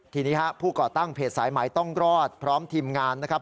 ทีนี้ฮะผู้ก่อตั้งเพจสายใหม่ต้องรอดพร้อมทีมงานนะครับ